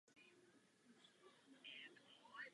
Bylo důležité opětovně začlenit malé podniky.